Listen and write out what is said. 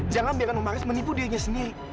jangan biarkan om haris menipu dirinya sendiri